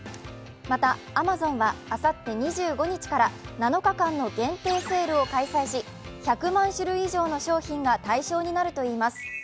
また、アマゾンはあさって２５日から７日間の限定セールを開催し１００万種類以上の商品が対象となるといいます。